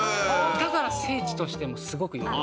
だから聖地としてもすごく有名。